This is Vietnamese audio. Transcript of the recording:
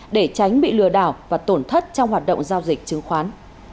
để tránh bị lừa đảo và tổn thất trong hoạt động giao dịch chứng khoán